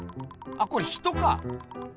あこれ人か。